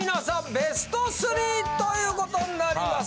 ベスト３ということになります。